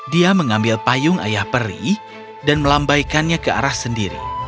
dia mengambil payung ayah peri dan melambaikannya ke arah sendiri